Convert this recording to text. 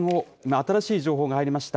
新しい情報が入りました。